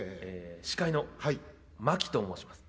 司会のまきと申します。